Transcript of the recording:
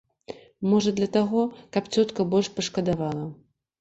Можа, для таго, каб цётка больш пашкадавала.